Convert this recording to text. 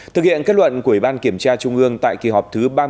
thực hiện kết luận của ủy ban kiểm tra trung ương tại kỳ họp thứ ba mươi